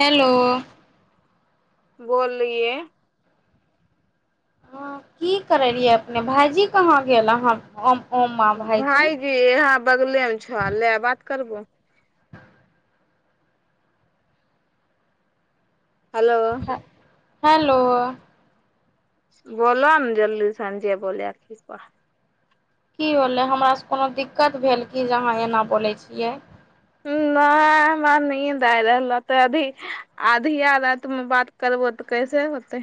hello बोललिये हँ की करै रहियै अपने भाइजी कहाँ गेल अाँ हम भायजी हम बगलेम छौ ला बात करब हेलो हेलो बोल ने जल्दी साँझे बोल आखी प की होलै हमरासँ कोनो दिक्कत भेल क जे अहाँ एना बोलै छियै नहि हमरा नींद आय रहल अधी आधिया राति मे बात करबो तऽ कैसे होते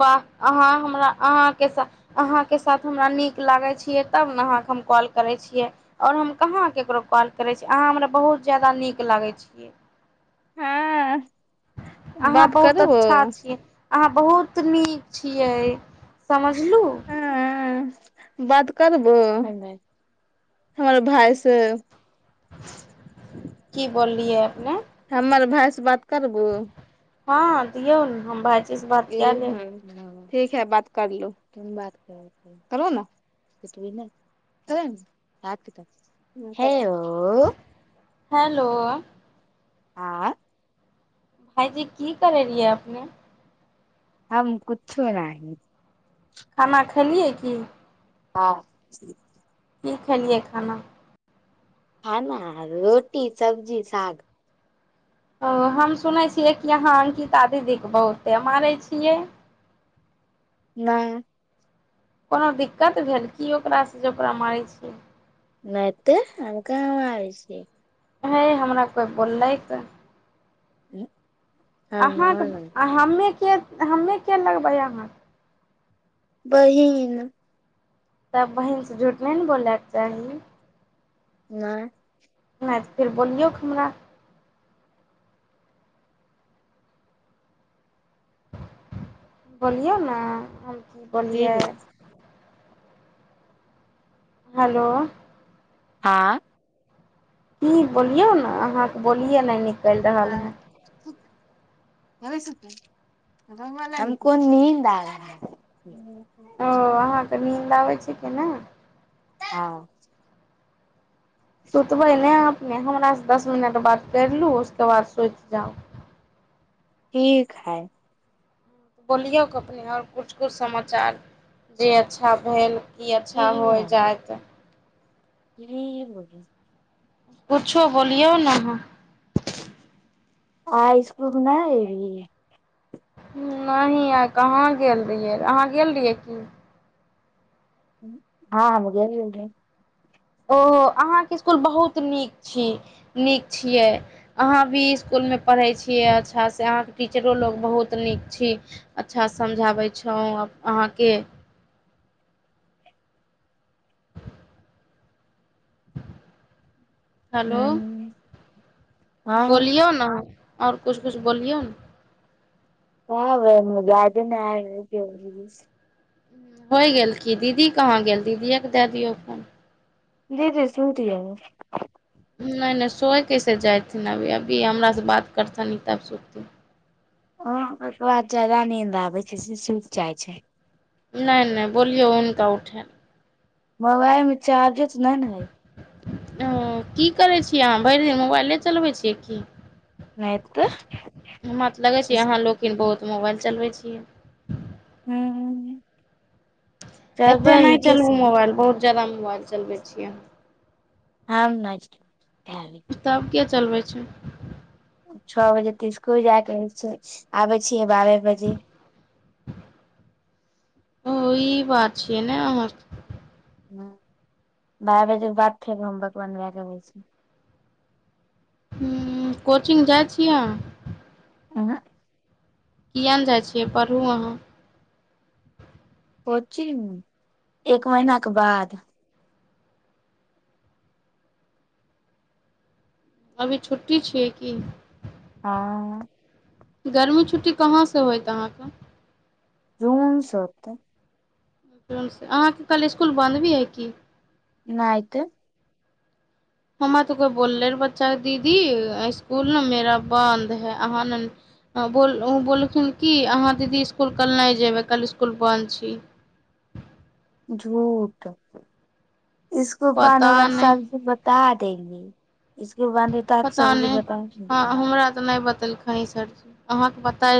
वाह अहाँ हमरा अहाँके साथ अहाँके साथ हमरा नीक लागै छियै तब ने अहाँकेँ हम कॉल करै छियै आओर हम कहाँ ककरो कॉल करै छियै अहाँ हमरा बहुत ज्यादा नीक लागै छियै अ अहाँ बहुत अच्छा छियै अहाँ बहुत कत नीक छियै समझलहुँ ह बात करबो हमर भाय से की बलियै अपने हमर भाय बात करबो हँ दियौ ने हम भ ए ह ठीक है बात करलूात कर ने ह हेलो आँ भाायजी की करै रहियै अपने हम कुछो न खाना खेलियै की हँ की खेलियै खाना खाना रोटी सब्जी साग ओ हम सुनै छियै कि अहाँ अंकिता दीदीके बहुते मारै छियै नहि कोनो दिक्कत भेल की ओकरासँ जे ओकरा मारै छियै नहि ते हम कहाँ आ छै ह हमरा कोइ बोललै तऽ ह अहाँके हमे के हमे के लगबै अहाँ बहि ने तब बहीनसँ झूठ नहि ने बोलयके चाही नहि फेर बोललियौक हमरा बोलिौ ने की बोलियै हेलो आँ की बोलियौ ने अहाँके बोलियै ने न चलि रहल है कोन नीन्द ओ अहाँके नीन्द आबैत छी केना हँ सुतबै ने नहि हमरास से दस मिनट बात कर लू उसके बाद सोति जाउ ठीक है बोलियौक अपने आओर किछु किछु समाचार जे अच्छा भेल ई अच्छा होइ जाइत ह बोै [unintelligible] कुछो बोलियौ ने अहाँ आइ इस्कूल नहि एलिए नहि आइ कहाँ गेल रहियै अहाँ गेल रहियै की हुँ हाँ हम गेल रहियै ओहो अहाँके इस्कूल बहुत नीक छी नीक छियै अहाँ भी इस्कूल मे पढ़ै छियै अच्छासँ अहाँके टीचरो लोक बहुत नीक छी अच्छासँ समझाबै छौँ अहाँके हेलो रहियै हँ बोलियौ न आओर कुछ कुछ बोलियौ न हँ भै गाज ने आ [unintelligible] होइ गेल की दीदी कहाँ गेल दीदिएके दए दियौ फोन जी जी सुनट ह [unintelligible] नहि नहि सोय कैसे जयथिन अभी अभी हमरासँ बात करथिन ई तब सुतथिन हँ ओकरा ज्यादा नींद आबै छै से सुत जाइ छै नहि नहि बोलियौ हुनका उठे मोबाइल मे चार्जरज नै न हइ की करै छियै अहाँ भरि दिन मोबाइले चलबै छियै की नै त नहि ने हइ हमरा त लगे नहि छी तऽ अहाँ लोकिन बहुत मोबाइल चलबै छियै हुँ हूँ एते करबै नहि हिके चलबू सब मोबाइल बहुत ज्यादा मोबाइल चलबै छियै ह नच [unintelligible] तब के चलबै छै छ बजे तऽ इसकुल जायके रहै छै आबै छियै बारह बजे ओ ई बात छियै ने हमर हँ बारह बजे के बाद फेर होमवर्क बनबाके अबै छियै हूँ कोचिंग जाइ छियै अहाँ अं ह किएक नहि जाइ छियै पढ़ू अहाँ कोचिंग एक महिना के बाद अभी छुट्टी छियै की हाँ गर्मी छुट्टी कहाँसँ होयत अहाँके रुमन सत त [unintelligible] जून से अहाँके कल इसकुल बन्द भी हइ की नहितऽ हमरा तऽ कोइ बोललै रहए बच्चाके दीदी आइ इसकुल ने मेरा बन्द हइ अहाँ ने बोल ओ बोललखिन कि अहाँ दीदी इसकुल कल नहि जयबै कल् इसकुल बन्द छी झूठ [unintelligible] इसको बान पता होगा स [unintelligible] नहि [unintelligible] ब द देंगी [unintelligible] पता नहि हँ हमरा तऽ नहि बतेलकै कह सरी अहाँके पता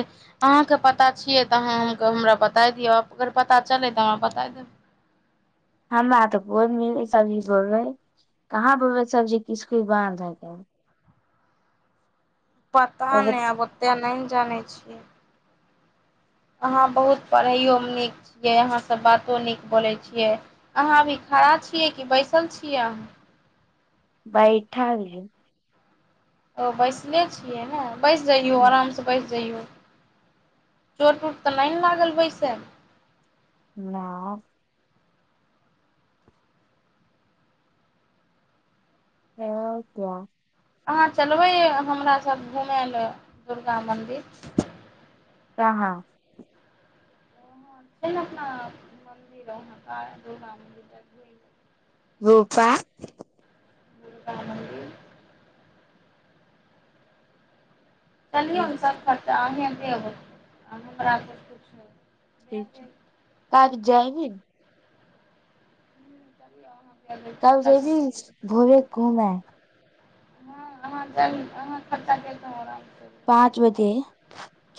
अहाँके पता छियै तऽ अहाँ हम हमरा बताय दिअ अगर पता चलै तऽ हमरा बताय देब [unintelligible] हमरा तऽ कोन मिलै सब्जी बोलबै कहाँ बोलबै सब्जी किस कि बानध है [unintelligible] पता नहि आब ओतेक नहि ने जानै छियै अहाँ बहुत पढ़ैओमे नीक छियै अहाँसभ बातो नीक बोलै छियै अहाँ अभी खड़ा छियै कि बैसल छियै अहाँ बैठल ओ बैसनेे छियै ने बचि जइयऔ आरामसँ बचि जइयऔ चोट उट तऽ नहि ने लागल वैसे न ह कय [unintelligible] अहाँ चलबै हमरा सभ घुमय लेल दुर्गा मन्दिर कहाँ छै ने अपना मन्दिर व दुर्गा [unintelligible] मिर घुम [unintelligible] रूपा का मन्दिर चलियौ न रूपा सब खर्चा अहीं बरा ठीक छै [unintelligible] कराज जैमिन [unintelligible] ह स [inaudible] कब जेबिहीं भोरे घूमे हँ अहाँ [unintelligible] अहाँ खचा आराम [unintelligible] पाँच बजे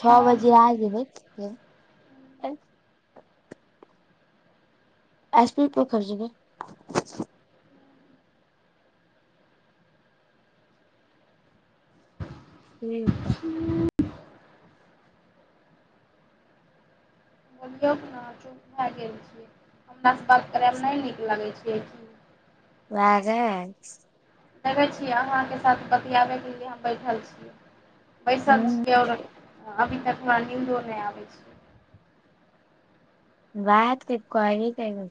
छ हँ बजे आ जेबै एक एस पी पर खर्च गे ठ त बोलियौ ने चुप भए गेल छियै हमरासँ बात करयमे नहि नीक लागै छै ल जा [unintelligible] देखै छियै अहाँके साथ बतियाबयके लिए हम बैठल छी बैसर [unintelligible] अभी तक मे नूदो नहि आ छै बात के कहि के एहिमे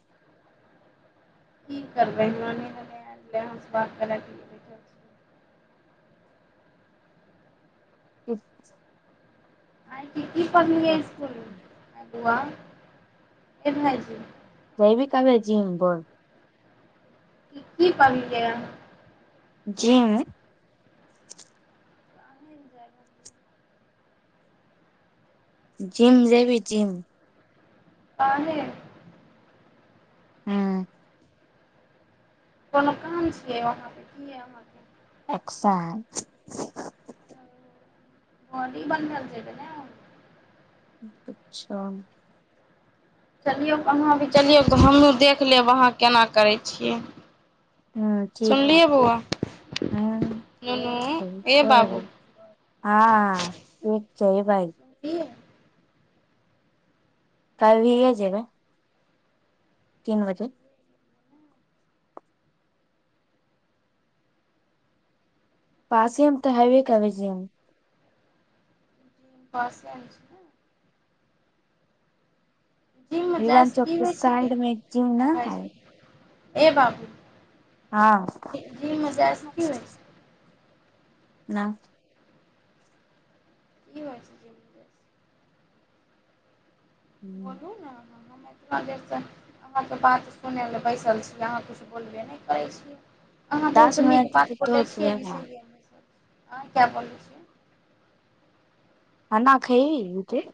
की करबै [unintelligible] ठ [unintelligible] कीी पढ़ले इकूल बुआ ए भइजी दैव कभे जीम बोल क की पके जीम आह एंजॉ करै जिम जेबी जिम आ नहि हँ कोनो काम छियै वहाँपे की य अहाँके अ्सा हँ द बन रहलल छैब ने अच्छा चलियौ कहाँ भी चलियौऽ हमहूँ देख लेब अहाँ केना करै छियै ह ठीक ह सुनलियै बौआ ह नुनू हँ ए बाबू से भइ सहीए कइ भीह छै ग तीन बजे पासियम त हव कवजम पसनच ने जिम मे जाइ हिवान से चौक की के होइ साइड छिकै मे जिम न ए है भाईजी ए बाबू हँ जिममे जाइसँ की होइ छै न क बात छै जबरदस बोलू ने एतना देरसँ अहाँके बात सुनय लेलए बैसल छी अहाँ किछु बोलबे नहि करै छी अहाँ बहुत दस नीक मिनट बात करले तो खाना छियैसी अह क्या बोलै छियै हना खब ओ त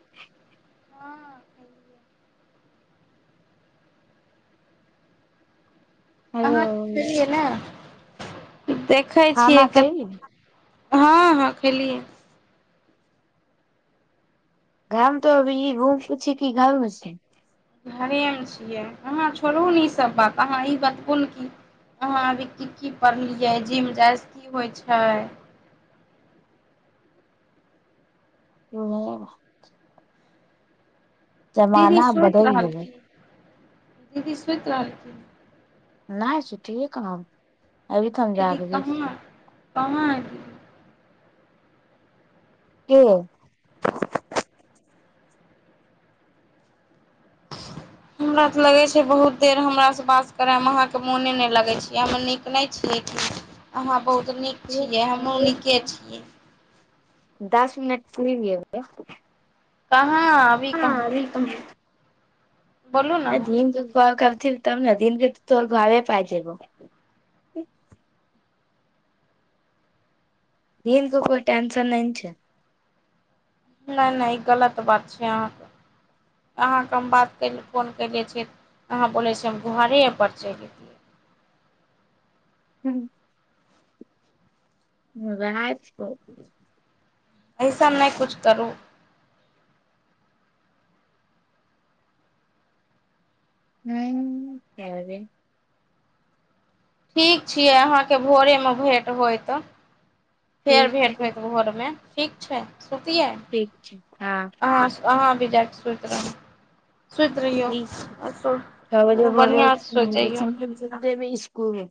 हँ सहि अहाँ छलियै ने देखै छियै खाना क खैबी हँ हँ खेली गाम तऽ अभी हम पूछि की गरमे छै घरेमे छियै अहाँ छोड़ू ने इसभ बात अहाँ ई बतबू ने कि अहाँ अभी की की पढ़लियै जिम जायज की होइ छै ह दीदी सुति बदलि गेलै रहलखिन दीदी सुति रहलखिन नहि सठ कहब अभी तन जााक भ पाँच के हमरा तऽ लगै छै बहुत देर हमरासँ बास करयमे अहाँके मोने नहि लगैत छै हम नीक नहि छियै कि अहाँ बहुत नीक छियै हमहूँ नीके छियै दस मिनट सुरी कहाँ अभी कहाँ बोलू ने अहाँ दीन दु भ तब ने दिनके तऽ तोर घर पाय जेब दीनकनककर टेन्सन नहि छै नहि नहि ई गलत बात छै अहाँके अहाँकेँ हम बात करय फोन कयले छिय अहाँ बोलै छियै हम घरेपर चलि अयतियै ह्म ह वएह कह अइसन नहि किछु करू हू करे ठीक छियै अहाँके भोरेमे भेट होय तऽ फेर ठीक भेंट होत भोरमे ठीक छै सुती है ठीक छै हँ अाँ अहाँ भीज सत रह ठीक छै ह जे बढ़िआँ से सुति जइयौ भ इकुल [inaudible]